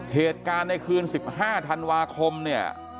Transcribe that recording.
เหตุการณ์ในคืน๑๕ธันวาคมเนี่ย